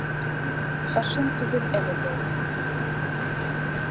Хашим түгел әле был.